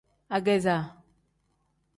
Ageeza.